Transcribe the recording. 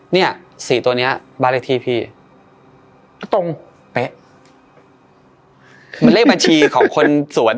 อ๋อเนี้ยสี่ตัวเนี้ยบาทเลขทีพี่ตรงเป๊ะแบบเลขบัญชีของคนสวน